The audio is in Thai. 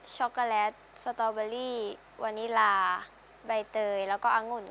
็อกโกแลตสตอเบอรี่วานิลาใบเตยแล้วก็อังุ่น